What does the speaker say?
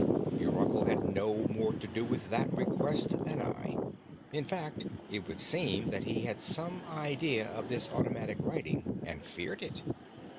Your uncle had no more to do with that request than I. In fact, it would seem that he had some idea of this automatic writing, and feared it."